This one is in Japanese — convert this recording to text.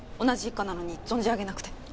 同じ一課なのに存じ上げなくて。